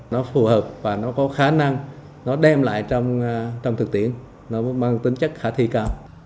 nó phù hợp và nó có khả năng nó đem lại trong thực tiễn nó mang tính chất khả thi cao